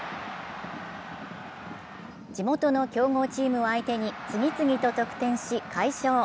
地元の強豪チームを相手に次々と得点し、快勝。